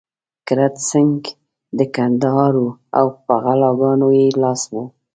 کرت سېنګ د کندهار وو او په غلاګانو يې لاس و.